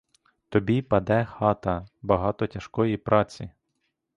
Тобі паде хата, багато тяжкої праці.